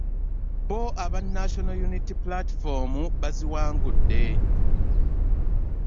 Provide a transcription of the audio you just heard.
Bo aba National Unity Platform baziwangudde.